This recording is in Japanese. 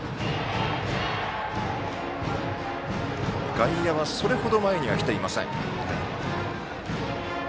外野はそれ程前には来ていません。